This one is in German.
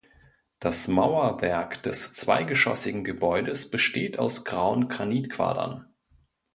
Das Mauerwerk des zweigeschossigen Gebäudes besteht aus grauen Granitquadern.